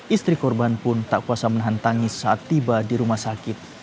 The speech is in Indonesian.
istri korban pun tak kuasa menahan tangis saat tiba di rumah sakit